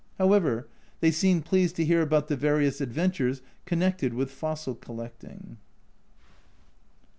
However, they seemed pleased to hear about the various adventures con nected with fossil collecting.